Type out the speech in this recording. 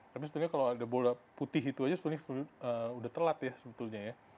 tapi sebetulnya kalau ada bola putih itu aja sebetulnya udah telat ya sebetulnya ya